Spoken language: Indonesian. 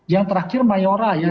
yang terakhir mayora ya